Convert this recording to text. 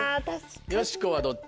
よしこはどっち？